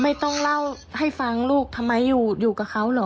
ไม่ต้องเล่าให้ฟังลูกทำไมอยู่กับเขาเหรอ